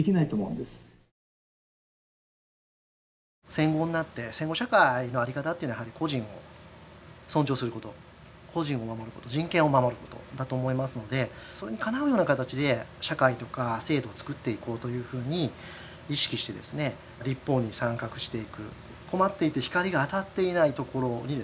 戦後になって戦後社会のあり方っていうのは個人を尊重すること個人を守ること人権を守ることだと思いますのでそれにかなうような形で社会とか制度をつくっていこうというふうに意識して立法に参画していく。